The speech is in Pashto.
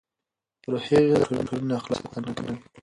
روحي غذا د ټولنې اخلاقو ساتنه کوي.